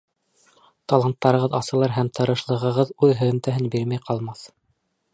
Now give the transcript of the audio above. Таланттарығыҙ асылыр һәм тырышлығығыҙ үҙ һөҙөмтәһен бирмәй ҡалмаҫ.